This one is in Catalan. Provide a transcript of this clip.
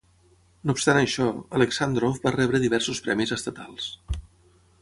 No obstant això, Aleksàndrov va rebre diversos premis estatals.